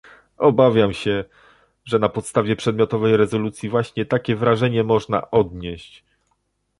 Obawiam się, że na podstawie przedmiotowej rezolucji właśnie takie wrażenie można odnieść